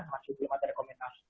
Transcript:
masih belum ada rekomendasi